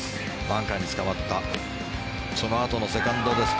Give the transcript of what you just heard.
バンカーにつかまったそのあとのセカンドです。